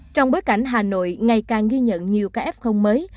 trong bối cảnh hà nội ngày càng ghi nhận nhiều ca f mới